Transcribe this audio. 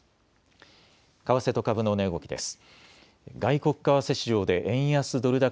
為替と株の値動きです。